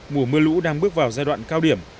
mùa mưa lũ đang bước vào giai đoạn cao điểm